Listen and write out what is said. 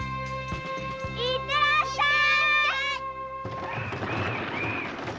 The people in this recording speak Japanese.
行ってらっしゃーい。